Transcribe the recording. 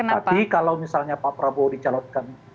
tapi kalau misalnya pak prabowo dicalonkan